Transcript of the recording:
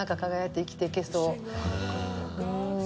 うん。